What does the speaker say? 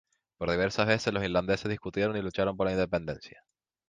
Por diversas veces los irlandeses discutieron y lucharon por la independencia.